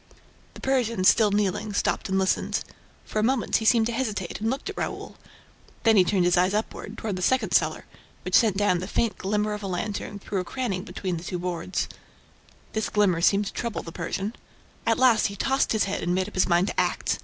The Persian, still kneeling, stopped and listened. For a moment, he seemed to hesitate and looked at Raoul; then he turned his eyes upward, toward the second cellar, which sent down the faint glimmer of a lantern, through a cranny between two boards. This glimmer seemed to trouble the Persian. At last, he tossed his head and made up his mind to act.